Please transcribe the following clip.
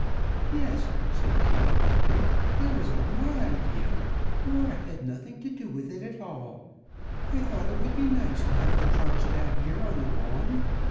"Yes," said Kitty, lightly. "It was my idea. Laura had nothing to do with it at all. I thought it would be nice to have the trunks down here on the lawn.